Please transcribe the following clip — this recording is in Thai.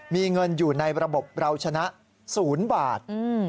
มีเงินอยู่ในระบบเราชนะ๐บาท